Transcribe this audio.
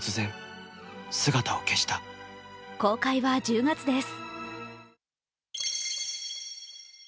公開は１０月です。